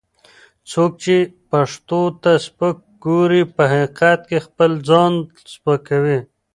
څوک چې پښتو ته سپک ګوري، په حقیقت کې خپل ځان سپکوي